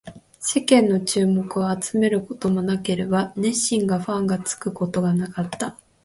世間の注目を集めることもなければ、熱心なファンがつくこともなかった